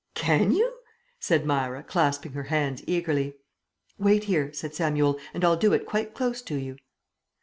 "Can you?" said Myra, clasping her hands eagerly. "Wait here," said Samuel, "and I'll do it quite close to you."